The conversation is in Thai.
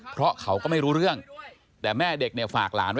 อย่าอย่าอย่าอย่าอย่าอย่าอย่าอย่าอย่าอย่าอย่าอย่า